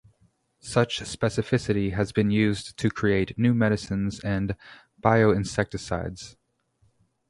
Such specificity has been used to create new medicines and bioinsecticides.